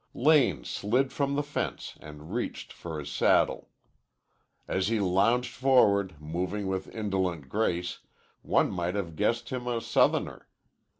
Lane slid from the fence and reached for his saddle. As he lounged forward, moving with indolent grace, one might have guessed him a Southerner.